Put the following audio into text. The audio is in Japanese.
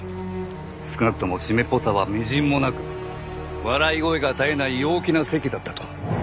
少なくとも湿っぽさはみじんもなく笑い声が絶えない陽気な席だったと。